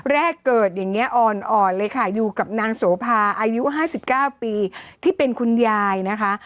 แรกเกิดอย่างนี้อ่อนเลยค่ะอยู่กับนางโสภาอายุ๕๙ปีที่เป็นคุณยายนะคะ